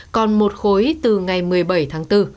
còn một khối từ ngày một mươi bảy tháng bốn